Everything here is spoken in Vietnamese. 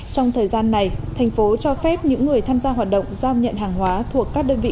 trong thời gian này thành phố cho phép những người tham gia hoạt động giao nhận hàng hóa thuộc các đơn vị